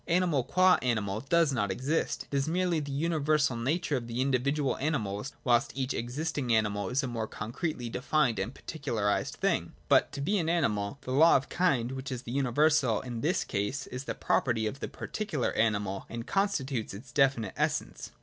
Animal, qua animal, does not exist : it is merely the universal nature of the individual animals, whilst each existing animal is a more concretely defined and particularised thing. But to be an animal, — the law of kind which is the universal in this case, — is the property of the particular animal, and constitutes its definite essence.